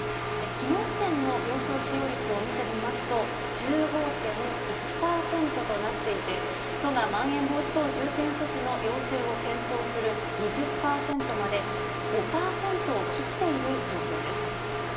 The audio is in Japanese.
きのう時点の病床使用率を見てみますと、１５．１％となっていて、都がまん延防止等重点措置の要請を検討する２０％まで５％を切っている状況です。